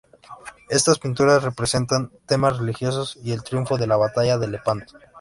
Estas pinturas representan temas religiosos y el triunfo de la batalla de Lepanto.